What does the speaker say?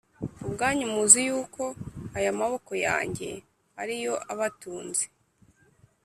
Ubwanyu muzi yuko aya maboko yanjye ari yo abatunze